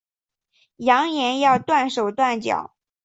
扬言要断手断脚